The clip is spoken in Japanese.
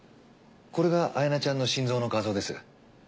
これが彩名ちゃんの心臓の画像です。